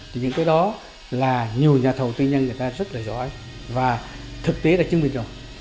thì những cái đó là nhiều nhà thầu tư nhân người ta rất là giỏi và thực tế đã chứng minh rồi